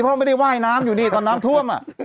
พ่อไม่ได้ไหว้น้ำอยู่ดีตอนน้ำท่วม